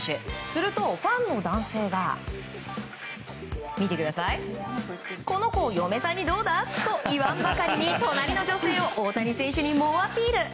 するとファンの男性がこの子、嫁さんにどうだ？と言わんばかりに、隣の女性を大谷選手に猛アピール。